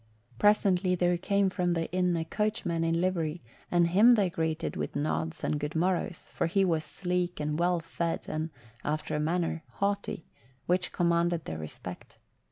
Presently there came from the inn a coachman in livery and him they greeted with nods and good morrows, for he was sleek and well fed and, after a manner, haughty, which commanded their respect.